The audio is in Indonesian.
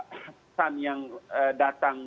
pesan yang datang